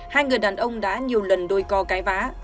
hai người đàn ông đã nhiều lần đôi co cái vá